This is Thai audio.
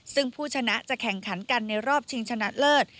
ซึ่งผู้ชนะจะแข่งขันกันในรอบชิงชนะเลิศ